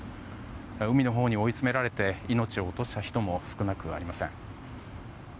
海のほうに追い詰められて命を落とした人も少なくありません。